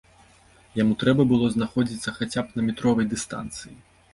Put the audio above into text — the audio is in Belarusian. Яму трэба было знаходзіцца хаця б на метровай дыстанцыі.